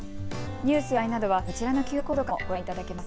ニュースや話題などは、こちらのＱＲコードからもご覧いただけます。